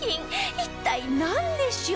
一体、なんでしょう？